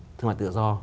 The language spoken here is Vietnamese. thương mại tự do